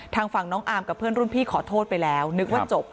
ทางฝั่งน้องอาร์มกับเพื่อนรุ่นพี่ขอโทษไปแล้วนึกว่าจบ